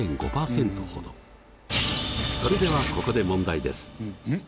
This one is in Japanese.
それではここで問題です。